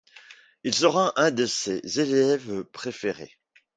Il sera un de ses élèves préférés.